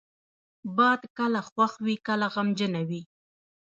باد کله خوښ وي، کله غمجنه وي